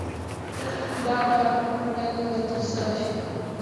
دا کار په پټه توګه ترسره شو.